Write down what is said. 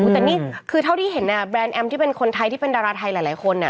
แต่นี่คือเท่าที่เห็นแบรนด์แอมที่เป็นคนไทยที่เป็นดาราไทยหลายคน